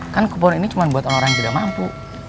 kan kepon ini cuma buat orang orang yang tidak mampu